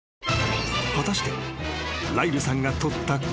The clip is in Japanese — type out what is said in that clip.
［果たして］